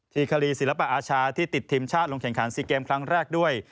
ีคารีศิลปะอาชาที่ติดทีมชาติลงแข่งขัน๔เกมครั้งแรกด้วย